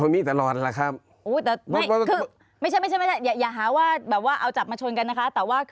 พี่พูดมาทั้งหมดบ่อยาดเนาะ